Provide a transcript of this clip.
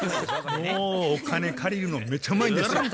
もうお金借りるのめちゃうまいんですよ。